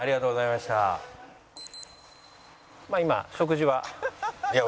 まあ今食事は。